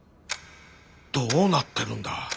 どうなってるんだ。